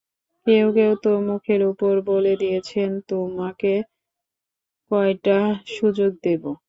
কেউ কেউ তো মুখের ওপর বলে দিয়েছেন, তোমাকে কয়টা সুযোগ দেব?